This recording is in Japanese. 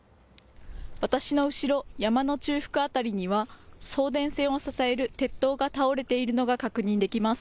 私の後ろ、山の中腹辺りには送電線を支える鉄塔が倒れているのが確認できます。